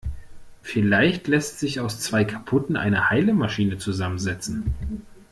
Vielleicht lässt sich aus zwei kaputten eine heile Maschine zusammensetzen.